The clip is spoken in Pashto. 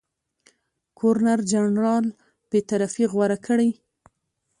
ګورنرجنرال بېطرفي غوره کړي.